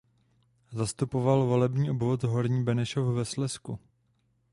Zastupoval volební obvod Horní Benešov ve Slezsku.